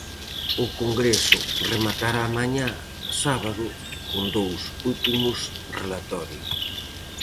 O Congreso rematará mañá sábado con dous últimos relatorios.